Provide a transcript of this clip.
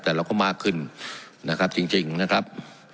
แต่เราก็มากขึ้นนะครับจริงนะครับ